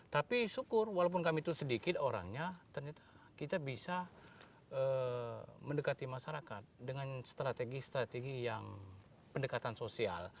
tapi syukur walaupun kami itu sedikit orangnya ternyata kita bisa mendekati masyarakat dengan strategi strategi yang pendekatan sosial